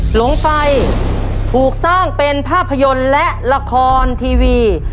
หลงไฟถูกสร้างเป็นภาพยนตร์และละครทีวี